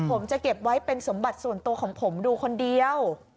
ผมจะเก็บไว้เป็นสมบัติส่วนตัวของผมดูคนเดียว